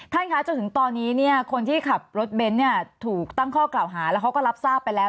คะจนถึงตอนนี้เนี่ยคนที่ขับรถเบนท์เนี่ยถูกตั้งข้อกล่าวหาแล้วเขาก็รับทราบไปแล้ว